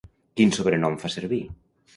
Quin sobrenom fa servir?